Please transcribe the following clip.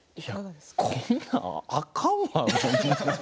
こんな、あかんわ。